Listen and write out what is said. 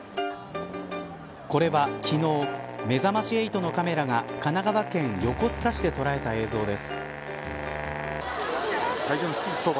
これは昨日、めざまし８のカメラが神奈川県横須賀市で捉えた映像です。